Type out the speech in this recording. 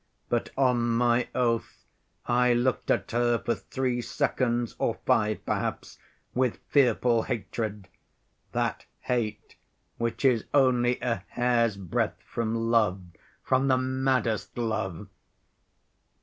But, on my oath, I looked at her for three seconds, or five perhaps, with fearful hatred—that hate which is only a hair's‐breadth from love, from the maddest love!